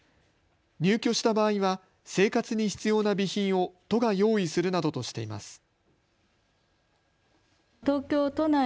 入居した場合は生活に必要な備品を都が用意するなどとしています。